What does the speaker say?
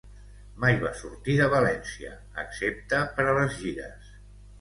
Mai va sortir de València, excepte per a les gires.